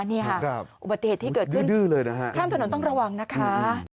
นี่ค่ะอุบัติเหตุที่เกิดขึ้นข้ามถนนต้องระวังนะคะ